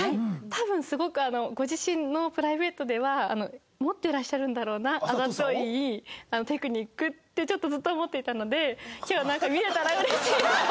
「多分すごくご自身のプライベートでは持ってらっしゃるんだろうなあざといテクニック」ってちょっとずっと思っていたので今日なんか。